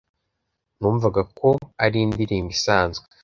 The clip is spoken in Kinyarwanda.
numvaga ko ari indirimbo isanzwe